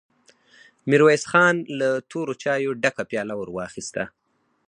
ميرويس خان له تورو چايو ډکه پياله ور واخيسته.